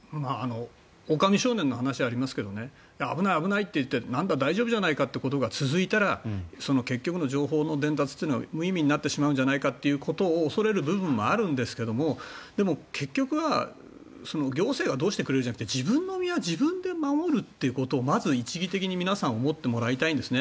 おおかみ少年の話がありますけどね危ないといって、なんだ大丈夫じゃないかってことが続いたら結局、情報の伝達というのは無意味になってしまうんじゃないかということを恐れる部分もあるんですがでも、結局は行政はどうしてくれるじゃなくて自分の身は自分で守るということをまず一義的に皆さん思ってもらいたいんですね。